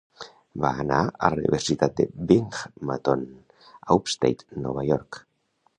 Va anar a la Universitat de Binghmaton, a Upstate, Nova York.